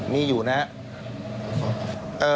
มีอยู่นะครับ